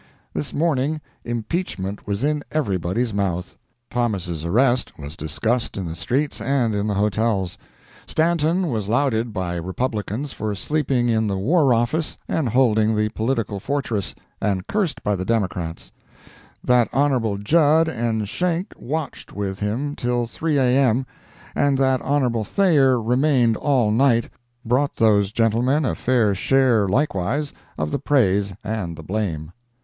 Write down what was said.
This morning "impeachment" was in everybody's mouth; Thomas' arrest was discussed in the streets and in the hotels; Stanton was lauded by Republicans for sleeping in the War Office and holding the political fortress—and cursed by the Democrats; that Hon. Judd and Schenck watched with him till 3 A. M., and that Hon. Thayer remained all night, brought those gentlemen a fair share likewise, of the praise and the blame.